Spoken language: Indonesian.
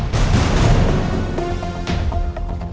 pantiasuhan mutiara bunda